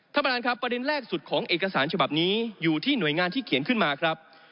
ท่านประธานครับประเด็นแรกสุดของเอกสารฉบับนี้อยู่ที่หน่วยงานที่เขียนขึ้นมาครับ